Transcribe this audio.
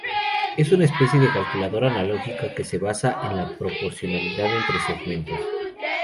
Es una especie de calculadora analógica que se basa en la proporcionalidad entre segmentos.